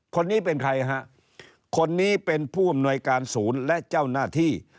คนนี้เป็นใครฮะคนนี้เป็นผู้อำนวยการศูนย์และเจ้าหน้าที่